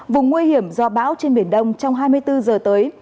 vùng nguy hiểm do bão trên biển đông trong hai mươi bốn giờ tới